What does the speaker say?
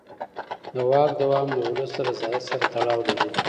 د واک دوام د ولس له رضایت سره تړاو لري